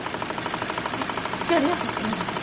ちょうどよかったわあなた。